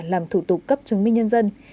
làm thủ tục cấp chứng minh nhân dân